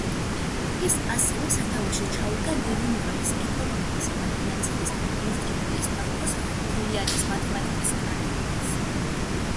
ის ასევე სათავეში ჩაუდგა ლენინგრადის ეკონომიკისა და ფინანსების ინსტიტუტის ბაქოს ფილიალის მათემატიკის კათედრას.